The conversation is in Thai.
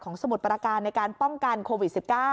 สมุทรประการในการป้องกันโควิด๑๙